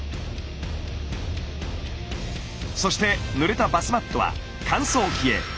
そしてぬれたバスマットは乾燥機へ。